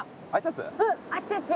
うんあっちあっち。